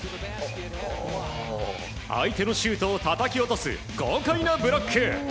相手のシュートをたたき落とす豪快なブロック。